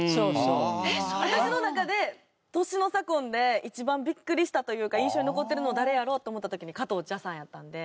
私の中で年の差婚で一番ビックリしたというか印象に残ってるの誰やろうって思った時に加藤茶さんやったので。